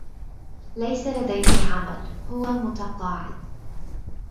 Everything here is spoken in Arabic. ليس لديه عمل, هو متقاعد.